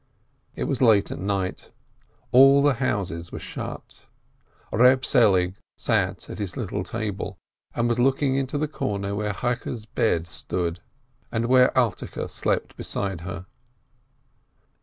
It was late at night. All the houses were shut. Eeb Selig sat at his little table, and was looking into the corner where Cheike's bed stood, and where Alterke slept beside her.